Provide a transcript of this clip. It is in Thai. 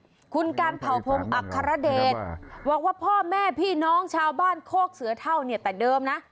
คุณการเผาพงศ์อัครเดชบอกว่าพ่อแม่พี่น้องชาวบ้านโคกเสือเท่าเนี่ยแต่เดิมนะ